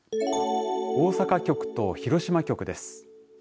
大阪局と広島局です。